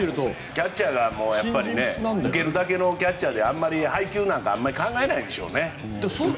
キャッチャーが受けるだけのキャッチャーであまり配球なんか考えないんでしょうね。